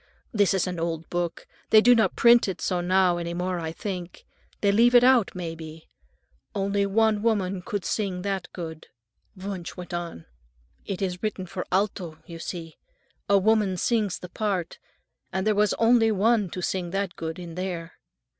This is an old book. They do not print it so now any more, I think. They leave it out, may be. Only one woman could sing that good." Thea looked at him in perplexity. Wunsch went on. "It is written for alto, you see. A woman sings the part, and there was only one to sing that good in there.